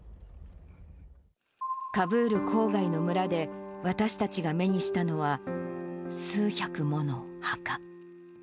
カブール郊外の村で、私たちが目にしたのは、数百もの墓。